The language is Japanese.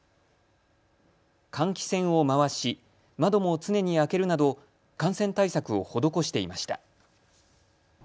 換気扇を回し窓も常に開けるなど感染対策を施していました。